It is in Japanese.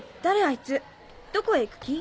あいつどこへ行く気？